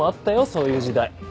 そういう時代。